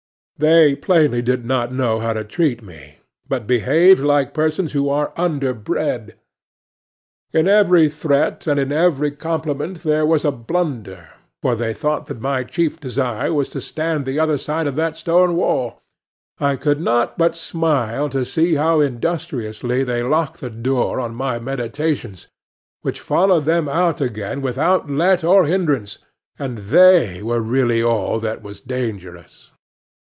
They plainly did not know how to treat me, but behaved like persons who are underbred. In every threat and in every compliment there was a blunder; for they thought that my chief desire was to stand the other side of that stone wall. I could not but smile to see how industriously they locked the door on my meditations, which followed them out again without let or hindrance, and they were really all that was dangerous.